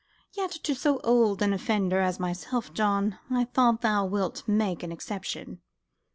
"Yet to so old an offender as myself, John, I know thou wilt make an exception."